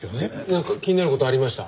なんか気になる事ありました？